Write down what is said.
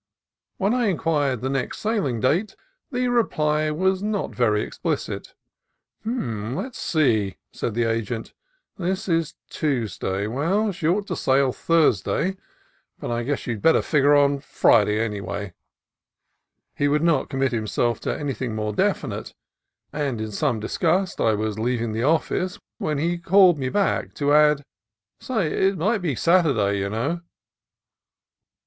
When I inquired the next sailing date, the reply was not very explicit. "Let's see," said the agent, "this is Tuesday. Well, she ought to sail Thursday, but I guess you had better figure on Fri day, anyway." He would not commit himself to any thing more definite, and in some disgust I was leav ing the office when he called me back, to add, "Say, it might be Saturday, you know."